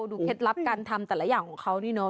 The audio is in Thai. เคล็ดลับการทำแต่ละอย่างของเขานี่เนาะ